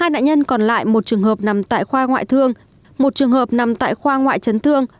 hai nạn nhân còn lại một trường hợp nằm tại khoa ngoại thương một trường hợp nằm tại khoa ngoại chấn thương